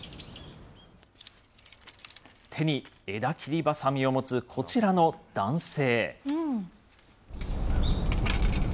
手に枝切りバサミを持つこちらの男性。